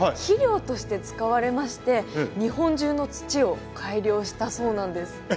肥料として使われまして日本中の土を改良したそうなんです。